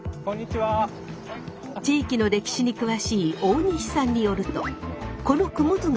地域の歴史に詳しい大西さんによるとこの雲出川